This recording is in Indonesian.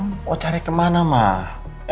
mau cari kemana ma